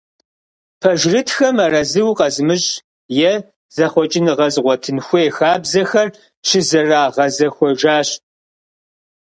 Пэжырытхэм арэзы укъэзымыщӏ, е зэхъуэкӏыныгъэ зыгъуэтын хуей хабзэхэр щызэрагъэзэхуэжащ.